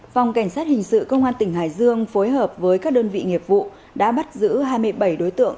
phòng cảnh sát hình sự công an tỉnh hải dương phối hợp với các đơn vị nghiệp vụ đã bắt giữ hai mươi bảy đối tượng